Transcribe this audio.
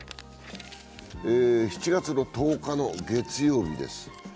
７月１０日の月曜日です